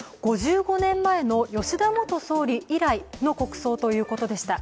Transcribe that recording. ５５年前の吉田元総理以来の国葬ということでした。